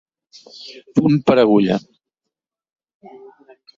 Punt per agulla.